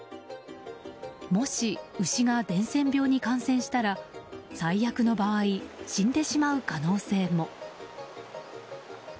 もし牛が伝染病に感染したら最悪の場合死んでしまう可能性も。